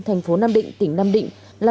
thành phố nam định tỉnh nam định